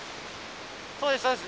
そうですそうです。